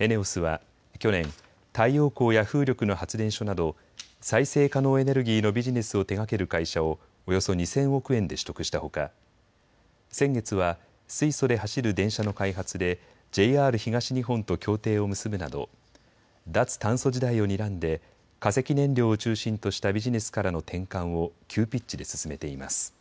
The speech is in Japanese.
ＥＮＥＯＳは去年、太陽光や風力の発電所など再生可能エネルギーのビジネスを手がける会社をおよそ２０００億円で取得したほか先月は水素で走る電車の開発でＪＲ東日本と協定を結ぶなど脱炭素時代をにらんで化石燃料を中心としたビジネスからの転換を急ピッチで進めています。